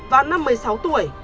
vào năm một mươi sáu tuổi